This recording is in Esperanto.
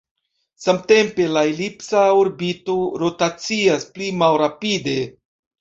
Samtempe, la elipsa orbito rotacias pli malrapide.